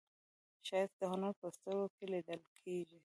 ښایست د هنر په سترګو کې لیدل کېږي